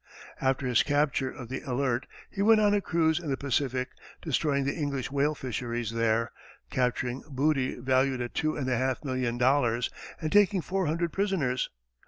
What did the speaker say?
After his capture of the Alert, he went on a cruise in the Pacific, destroying the English whale fisheries there, capturing booty valued at two and a half million dollars, and taking four hundred prisoners.